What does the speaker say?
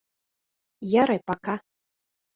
Ярай, пока.